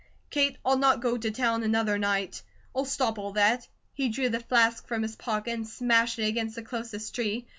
Kate, I'll not go to town another night. I'll stop all that." He drew the flask from his pocket and smashed it against the closest tree.